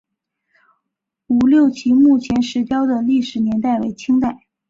吴六奇墓前石雕的历史年代为清代。